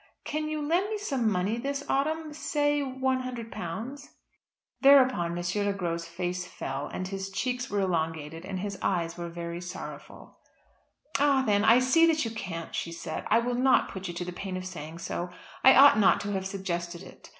Can you lend me some money this autumn say £100?" Thereupon M. Le Gros' face fell, and his cheeks were elongated, and his eyes were very sorrowful. "Ah, then, I see you can't," she said. "I will not put you to the pain of saying so. I ought not to have suggested it.